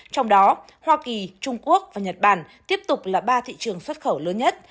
trong đó hoa kỳ trung quốc và nhật bản tiếp tục là ba thị trường xuất khẩu lớn nhất